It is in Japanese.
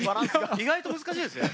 意外と難しいですね。